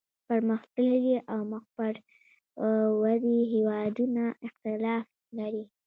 پرمختللي او مخ پر ودې هیوادونه اختلاف لري